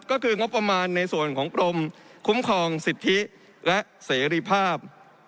ก็คืองบประมาณในส่วนของกรมคุ้มครองสิทธิและเสรีภาพ